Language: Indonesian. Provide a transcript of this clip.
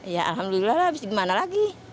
ya alhamdulillah lah abis gimana lagi